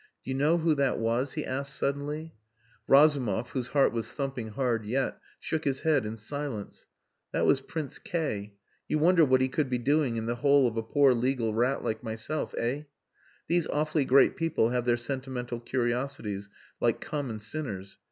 "Do you know who that was?" he asked suddenly. Razumov, whose heart was thumping hard yet, shook his head in silence. "That was Prince K . You wonder what he could be doing in the hole of a poor legal rat like myself eh? These awfully great people have their sentimental curiosities like common sinners.